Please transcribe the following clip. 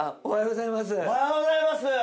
おはようございます。